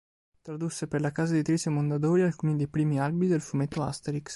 Tradusse per la casa editrice Mondadori alcuni dei primi albi del fumetto Asterix.